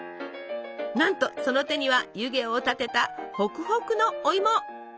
なんとその手には湯気を立てたホクホクのおいも！